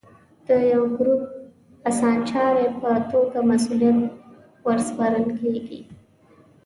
د یوه ګروپ د اسانچاري په توګه مسوولیت ور سپارل کېږي.